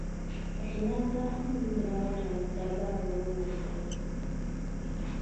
اشنا تا هم دومره غټه ډبره ور و غورځوله.